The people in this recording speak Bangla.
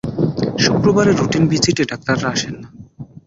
শুক্রবারে রুটিন ভিজিটে ডাক্তাররা আসেন না।